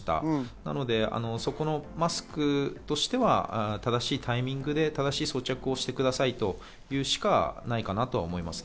なので、マスクとしては正しいタイミングで正しい装着をしてくださいと言うしかないかなと思います。